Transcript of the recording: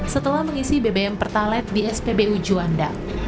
setelah mengisi bbm pertalet di spbu juanda